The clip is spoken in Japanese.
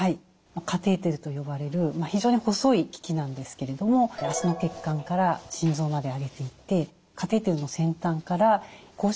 カテーテルと呼ばれる非常に細い機器なんですけれども脚の血管から心臓まで上げていってカテーテルの先端から高周波を流します。